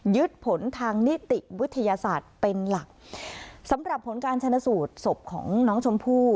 ยึดผลทางนิติวิทยาศาสตร์เป็นหลักสำหรับผลการชนะสูตรศพของน้องชมพู่